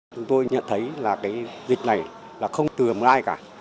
chúng tôi nhận thấy là dịch này không từ một ai cả